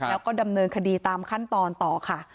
แล้วก็ดำเนินคดีตามขั้นตอนต่อค่ะ